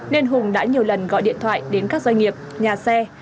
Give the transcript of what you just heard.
nên hùng đã nhiều lần gọi điện thoại đến các doanh nghiệp nhà xe